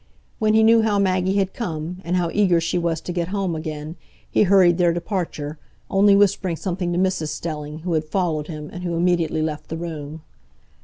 When he knew how Maggie had come, and how eager she was to get home again, he hurried their departure, only whispering something to Mrs Stelling, who had followed him, and who immediately left the room.